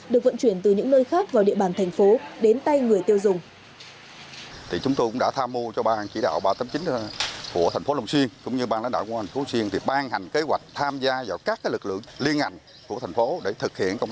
được vận chuyển từ những nơi khác vào địa bàn thành phố đến tay người tiêu dùng